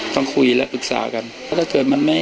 ถ้าใครอยากรู้ว่าลุงพลมีโปรแกรมทำอะไรที่ไหนยังไง